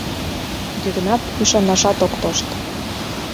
Йыгнат ӱшанашат ок тошт.